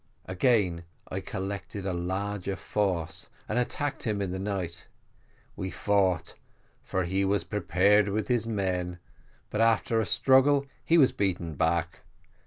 Again I collected a larger force, and attacked him in the night: we fought, for he was prepared with his men, but after a struggle he was beaten back.